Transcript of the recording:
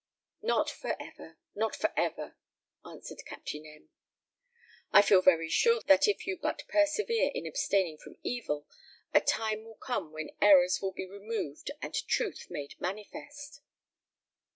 "Not for ever, not for ever," answered Captain M . "I feel very sure that if you but persevere in abstaining from evil, a time will come when errors will be removed and truth made manifest."